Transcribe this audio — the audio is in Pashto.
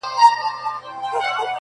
"د مثقال د ښو جزا ورکول کېږي.!